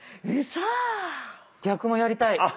ウソ⁉逆もやりたい。